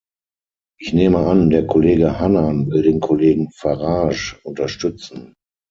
Ich nehme an, der Kollege Hannan will den Kollegen Farage unterstützen.